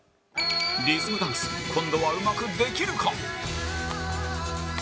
リズムダンス今度はうまくできるか？